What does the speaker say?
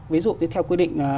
ví dụ như theo quy định